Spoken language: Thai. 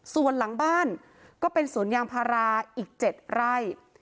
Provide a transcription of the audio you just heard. ส่วนหลังบ้านก็เป็นสวนยางพาราอีก๗ไร่